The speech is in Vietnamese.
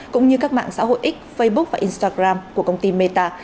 cũng như các mạng xã hội x facebook và instagram của công ty meta